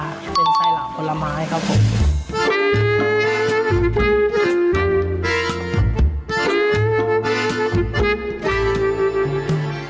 น้ำสุดมากคือขึ้นชื่อเลยที่ลูกค้าสั่งประจำคือสามสหายโซดา